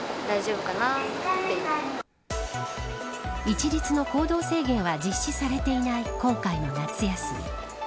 一律の行動制限は実施されていない今回の夏休み。